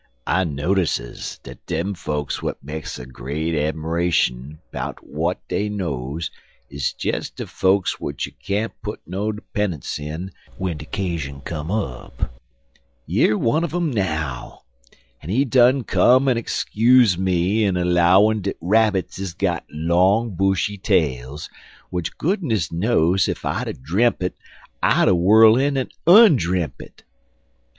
"I notices dat dem fokes w'at makes a great 'miration 'bout w'at dey knows is des de fokes w'ich you can't put no 'pennunce in w'en de 'cashun come up. Yer one un um now, en he done come en excuse me er 'lowin dat rabbits is got long, bushy tails, w'ich goodness knows ef I'd a dremp' it, I'd a whirl in en on dremp it."